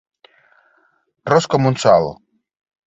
Ros com un sol.